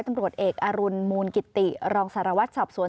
ตำรวจเอกอรุณมูลกิติรองสารวัตรสอบสวน